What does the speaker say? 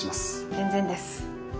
全然です。